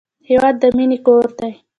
هېواد د مینې کور دی.